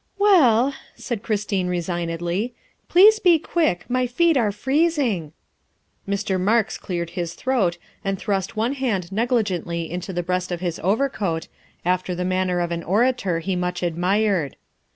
" Well," said Christine resignedly, " please be quick. My feet are freezing." Mr. Marks cleared his throat and thrust one hand negligently into the breast of his overcoat, after the manner of an orator he much admired.